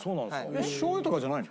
えっしょう油とかじゃないの？